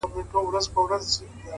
ژوند د انتخابونو لړۍ ده؛